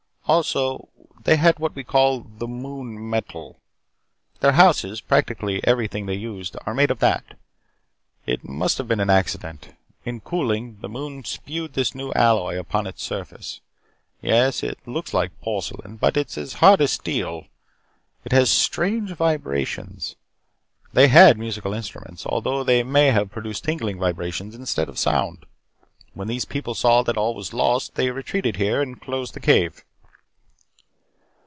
Also, they had what we call The Moon Metal. Their houses, practically everything they used, are made of that. It must have been an accident. In cooling, the moon spewed this new alloy out upon its surface. Yes, it looks like porcelain but it is as hard as steel. It has strange vibrations. They had musical instruments although they may have produced tingling vibrations instead of sound. When these people saw that all was lost, they retreated here and closed the cave.